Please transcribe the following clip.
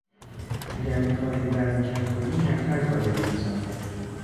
اگر میخواهی وزن کم کنی کمتر کالری مصرف کن.